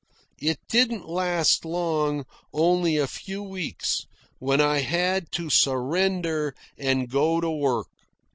It didn't last long, only a few weeks, when I had to surrender and go to work.